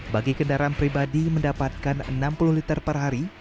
bagi kendaraan pribadi mendapatkan enam puluh liter per hari